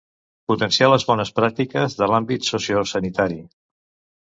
Potenciar les bones pràctiques de l'àmbit sociosanitari.